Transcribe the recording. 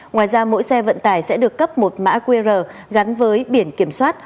ngoài ra mỗi xe vận tải sẽ được cấp một mã qr gắn với biển kiểm soát